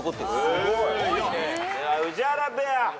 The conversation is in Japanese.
では宇治原ペア。